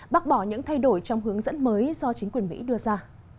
bác bỏ những thay đổi trong hướng dẫn mới do chính quyền mỹ đưa ra